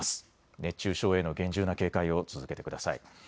熱中症への厳重な警戒を続けてください。